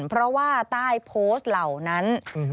เพราะว่าใต้โพสต์เหล่านั้น